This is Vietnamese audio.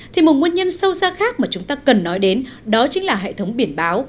thì một nguyên nhân sâu xa khác mà chúng ta cần nói đến đó chính là hệ thống biển báo